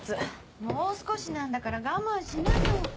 もう少しなんだから我慢しなよ。